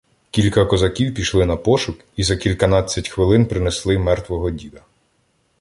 Кілька козаків пішли на пошук і за кільканадцять хвилин принесли мертвого діда.